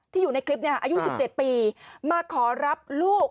อยู่ในคลิปนี้อายุ๑๗ปีมาขอรับลูก